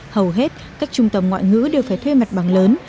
hầu hết các trung tâm ngoại ngữ đều phải thuê mặt bằng lớn